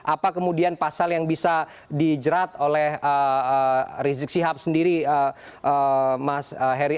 apa kemudian pasal yang bisa dijerat oleh rizik sihab sendiri mas heri